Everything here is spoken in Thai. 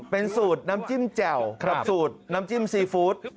เป็นสูตรน้ำจิ้มแจ่วสูตรน้ำจิ้มซีฟู้ด